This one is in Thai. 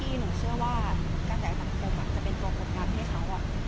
เนี่ยพี่หนูเชื่อว่าการแสดงสังเกิดจะเป็นตัวผลกรรมให้เขาอะ